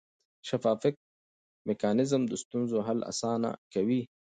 شفاف میکانیزم د ستونزو حل اسانه کوي.